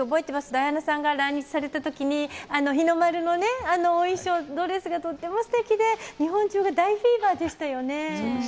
ダイアナさんが来日された時に日の丸のお衣装、ドレスがとっても素敵で、日本中が大フィーバーでしたよね。